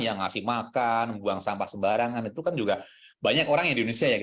yang ngasih makan buang sampah sembarangan itu kan juga banyak orang indonesia yang